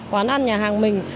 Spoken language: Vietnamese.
quán ăn nhà hàng mình